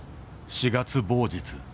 ４月某日。